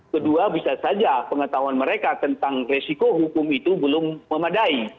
kedua bisa saja pengetahuan mereka tentang resiko hukum itu belum memadai